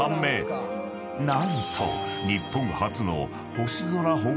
［何と］